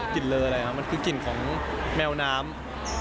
เลออะไรครับมันคือกลิ่นของแมวน้ำ